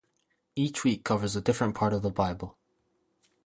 Each week covers a different part of the Bible.